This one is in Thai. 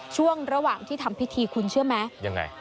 ช่วงระหว่างที่ทำพิธีคุณเชื่อไหมยังไง